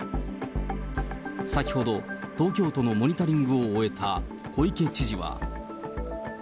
先ほど、東京都のモニタリングを終えた小池知事は。